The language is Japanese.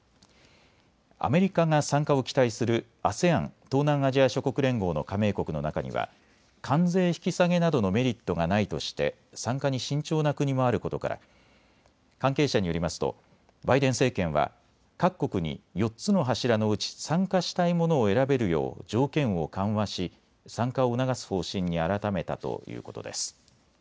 アメリカが参加を期待するＡＳＥＡＮ・東南アジア諸国連合の加盟国の中には関税引き下げなどのメリットがないとして参加に慎重な国もあることから関係者によりますとバイデン政権は各国に４つの柱のうち参加したいものを選べるよう条件を緩和し参加を促す方針に改めたということです。